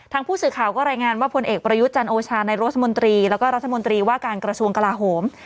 ผู้สื่อข่าวก็รายงานว่าพลเอกประยุทธ์จันโอชานายรัฐมนตรีแล้วก็รัฐมนตรีว่าการกระทรวงกลาโหม